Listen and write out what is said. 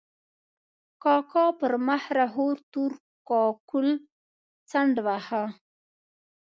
کاکا پر مخ را خور تور کاکل څنډ واهه.